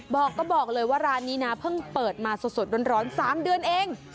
บอกก็บอกเลยว่าร้านนี้นะเพิ่งเปิดมาสดร้อน๓เดือนเอง